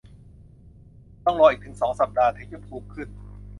ต้องรออีกถึงสองสัปดาห์ ถึงจะภูมิขึ้น